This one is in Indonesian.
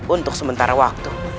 untuk sementara waktu